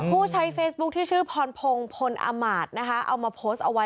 ผู้ใช้เฟซบุ๊คที่ชื่อพรพงศ์พลอมาตย์นะคะเอามาโพสต์เอาไว้